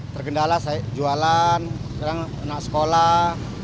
tergendala jualan sekarang anak sekolah